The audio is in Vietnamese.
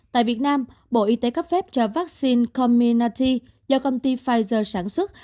tại việt nam bộ y tế cấp phép cho vaccine comminati do công ty pfizer sản xuất